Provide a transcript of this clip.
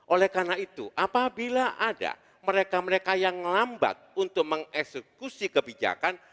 oleh karena itu apabila ada mereka mereka yang lambat untuk mengeksekusi kebijakan